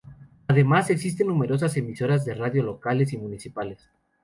Además, existen numerosas emisoras de radio locales y municipales.